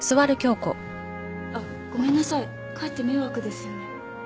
あっごめんなさいかえって迷惑ですよね。